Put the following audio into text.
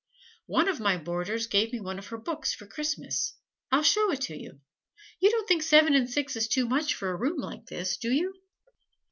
One of my boarders gave me one of her books for Christmas. I'll show it to you. You don't think seven and six is too much for a room like this, do you?"